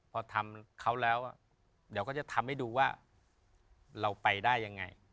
พอทำเขาแล้วเดี๋ยวก็จะทำให้ดูว่าเราไปได้ยังไง